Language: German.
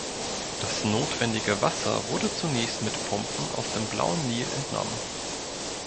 Das notwendige Wasser wurde zunächst mit Pumpen aus dem Blauen Nil entnommen.